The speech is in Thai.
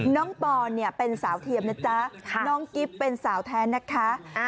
ปอนเนี่ยเป็นสาวเทียมนะจ๊ะน้องกิ๊บเป็นสาวแท้นะคะ